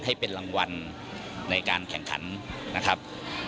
ให้เป็นรางวัลในการแข่งขันนะครับ